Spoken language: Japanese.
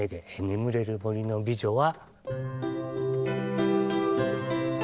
「眠れる森の美女」は。